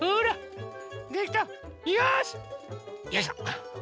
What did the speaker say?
よいしょ！